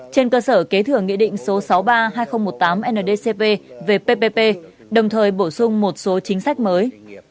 trên cơ sở kế thừa nghị định số sáu mươi ba hai nghìn một mươi tám ndcp về ppp đồng thời bổ sung một số chính sách mới